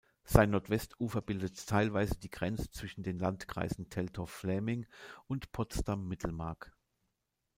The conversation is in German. Sein Nordwestufer bildet teilweise die Grenze zwischen den Landkreisen Teltow-Fläming und Potsdam-Mittelmark.